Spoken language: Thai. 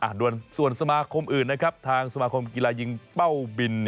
อ่ะด้วยส่วนสมาคมอื่นนะครับ